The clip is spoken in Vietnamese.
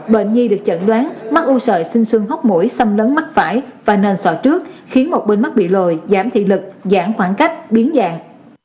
bệnh nhi được chẩn đoán mắt u sợi xinh xương hóc mũi xăm lớn mắt phải và nền sọ trước khiến một bên mắt bị lồi giảm thị lực giảm khoảng cách biến dạng